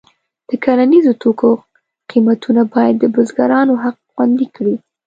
د کرنیزو توکو قیمتونه باید د بزګرانو حق خوندي کړي.